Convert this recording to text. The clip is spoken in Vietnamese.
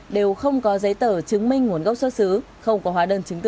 đều không có giấy tờ chứng minh nguồn gốc xuất xứ không có hóa đơn chứng tử